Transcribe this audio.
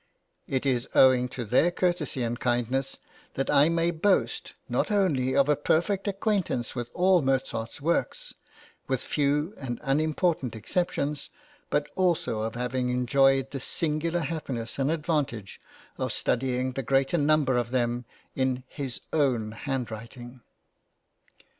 It is owing to their courtesy and kindness that I may boast, not only of a perfect acquaintance with all Mozart's works, with few and unimportant exceptions, but also of having enjoyed the singular happiness and advantage of studying the greater number of them in his own handwriting.